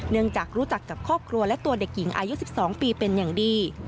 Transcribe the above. เนื่องจากรู้จักกับครอบครัวและตัวเด็กหญิงอายุ๑๒ปีเป็นอย่างดี